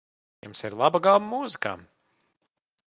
Jums ir laba gaume mūzikā.